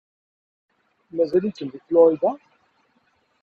Mazal-ikem deg Florida?